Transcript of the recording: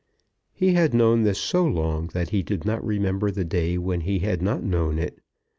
He had known this so long that he did not remember the day when he had not known it.